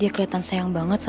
itu cewek yang nolongin gue